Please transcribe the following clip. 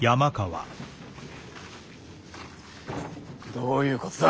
どういうことだ？